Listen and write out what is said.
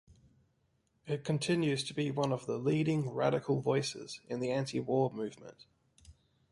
It continues to be one of the leading radical voices in the anti-war movement.